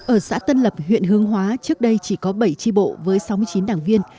ở xã tân lập huyện hương hóa trước đây chỉ có bảy tri bộ với sáu mươi chín đảng viên